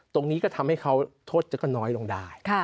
ตรงนี้ก็ทำให้เขาโทษจะก็น้อยลงได้